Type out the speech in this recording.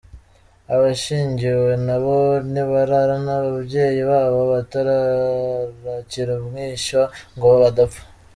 Abashyingiwe na bo ntibararana ababyeyi babo batarakira umwishywa, ngo badapfa.